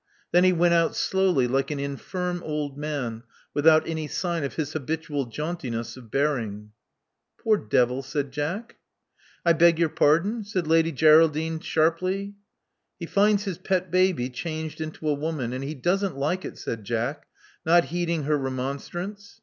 Then he went out slowly, like an infirm old man, without any sign of his habitual jauntiness of bearing. Poor devil!" said Jack. "I beg your pardon?" said Lady Geraldine sharply. He finds his pet baby changed into a woman; and he doesn't like it," said Jack, not heeding her remon strance.